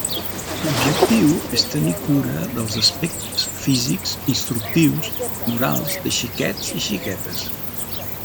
L’objectiu és tenir cura dels aspectes físics, instructius i morals de xiquets i xiquetes.